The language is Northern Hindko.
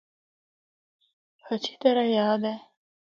ہَچھی طرح یاد اے۔